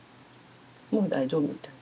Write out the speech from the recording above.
もう大丈夫みたい。